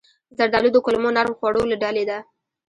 زردالو د کولمو نرم خوړو له ډلې ده.